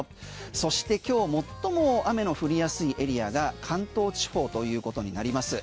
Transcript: そして今日最も雨の降りやすいエリアが関東地方ということになります。